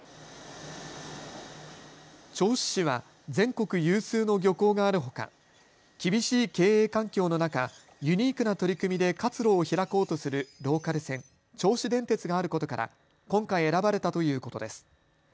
銚子市は全国有数の漁港があるほか厳しい経営環境の中、ユニークな取り組みで活路をひらこうとするローカル線、銚子電鉄があることから今回、選ばれたということです。